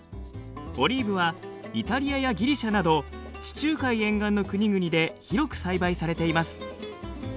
オリーブはイタリアやギリシャなど地中海沿岸の国々で広く栽培されています。